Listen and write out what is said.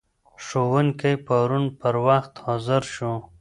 ښوونکی پرون پر وخت حاضر شو.